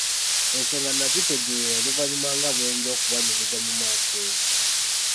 Ensonga nagitegeera oluvannyuma nga bwe nja okubanyumiza mu maaso eyo.